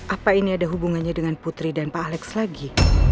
apa ini ada hubungannya dengan putri dan pak alex lagi